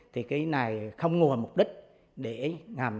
thì cái này không ngùa mục đích để làm